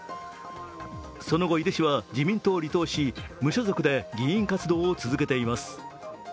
その後、井手氏は自民党を離党し、無所属で議員活動を続けています。